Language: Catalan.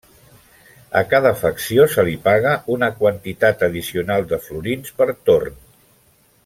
A cada facció se li paga una quantitat addicional de florins per torn.